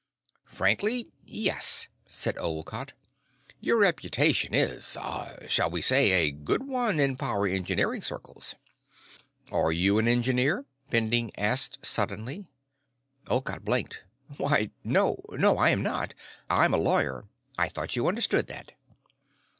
"Frankly, yes," said Olcott. "Your reputation is ... ah ... shall we say, a good one in power engineering circles." "Are you an engineer?" Bending asked suddenly. Olcott blinked. "Why, no. No, I am not. I'm a lawyer. I thought you understood that."